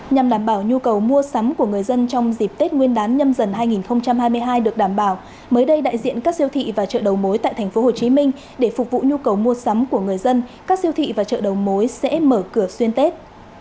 nhằm đảm bảo nhu cầu mua sắm của người dân trong dịp tết nguyên đán nhâm dần hai nghìn hai mươi hai được đảm bảo mới đây đại diện các siêu thị và chợ đầu mối tại tp hcm để phục vụ nhu cầu mua sắm của người dân các siêu thị và chợ đầu mối sẽ mở cửa xuyên tết